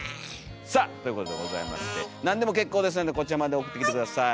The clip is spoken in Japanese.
さあということでございまして何でも結構ですのでこちらまで送ってきて下さい。